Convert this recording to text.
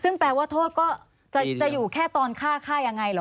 นั่นก็จะอยู่แค่ที่ฆ่ะอย่างไรหรอ